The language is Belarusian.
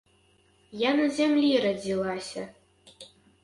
Я на зямлі радзілася.